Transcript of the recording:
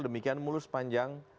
demikian mulus panjang